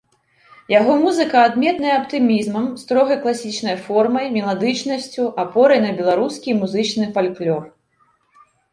Яго музыка адметная аптымізмам, строгай класічнай формай, меладычнасцю, апорай на беларускі музычны фальклор.